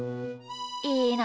いいな。